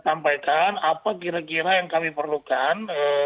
sampaikan apa kira kira yang kami perlukan